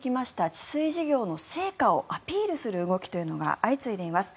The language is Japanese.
治水事業の成果をアピールする動きというのが相次いでいます。